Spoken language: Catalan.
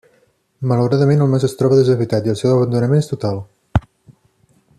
Malauradament el mas es troba deshabitat i el seu abandonament és total.